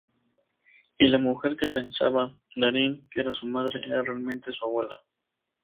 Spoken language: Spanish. Y la mujer que pensaba Darin que era su madre era realmente su abuela.